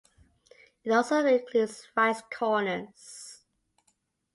It also includes Wright's Corners.